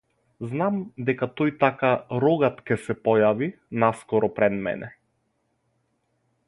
Знам дека тој така рогат ќе се појави наскоро пред мене.